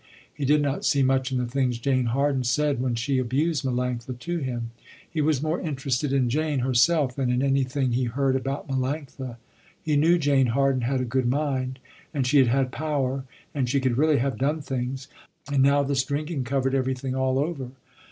He did not see much in the things Jane Harden said when she abused Melanctha to him. He was more interested in Jane herself than in anything he heard about Melanctha. He knew Jane Harden had a good mind, and she had had power, and she could really have done things, and now this drinking covered everything all over.